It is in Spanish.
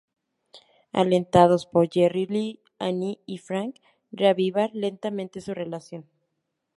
Alentados por Jerry Lee, Annie y Frank reavivar lentamente su relación.